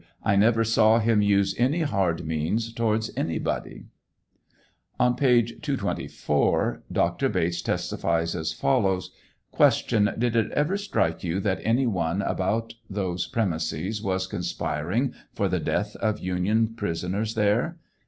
I never saw him use any hard means towards anybody. On page 224 Dr. Bates testffies as follows : Q. Did it ever Strike you that anyone about those premises was conspiring for the death of Union prisoners there